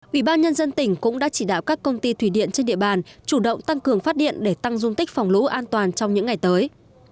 ủy ban nhân dân tỉnh cũng đã chỉ đạo các công ty thủy điện trên địa bàn chủ động tăng cường phát điện để tăng dung tích phòng lũ an toàn trong những ngày tới